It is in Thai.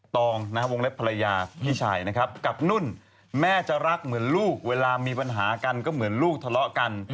ตองนะฮะวงเล็บภรรยาพี่ชายนะครับกับนุ่นแม่จะรักเหมือนลูกเวลามีปัญหากันก็เหมือนลูกทะเลาะกัน